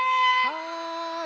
はい！